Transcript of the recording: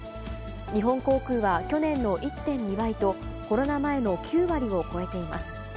日本航空は去年の１．２倍と、コロナ前の９割を超えています。